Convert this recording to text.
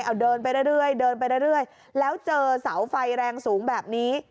เอาเดินไปเรื่อยเดินไปเรื่อยแล้วเจอเสาไฟแรงสูงแบบนี้